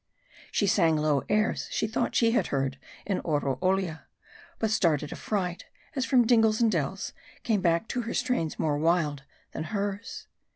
She sang low airs, she thought she had heard in Oroolia ; but started affrighted, as from dingles and dells, came back to her strains more wild than hers.